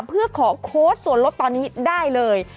เพื่อขอโค้ชส่วนลดตอนนี้ได้เลย